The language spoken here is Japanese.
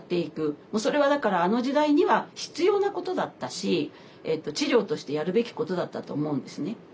それはだからあの時代には必要なことだったし治療としてやるべきことだったと思うんですね。